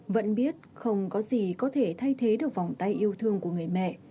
vẫn biết không có gì có thể thay thế được vòng tay yêu thương của người mẹ